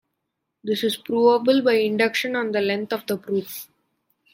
This is provable by induction on the length of the proof.